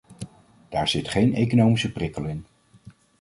Daar zit geen economische prikkel in.